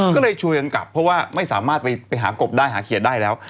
ก็เลยช่วยกันกลับเพราะว่าไม่สามารถไปหากบได้หาเขียดได้แล้ว